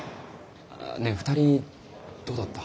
ねえ２人どうだった？